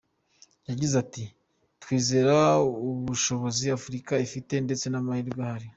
Yagize ati “Twizera ubushobozi Afurika ifite ndetse n’amahirwe ahari.